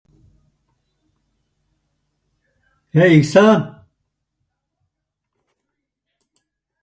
The Austrians turned every house into a miniature fortress.